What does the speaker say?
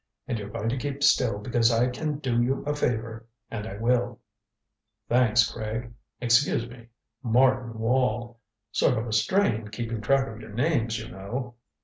And you're going to keep still because I can do you a favor and I will." "Thanks, Craig. Excuse me Martin Wall. Sort of a strain keeping track of your names, you know."